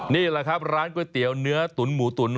นี่แหละครับร้านก๋วยเตี๋ยวเนื้อตุ๋นหมูตุ๋น